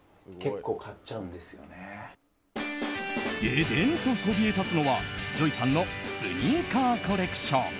デデンとそびえ立つのはＪＯＹさんのスニーカーコレクション。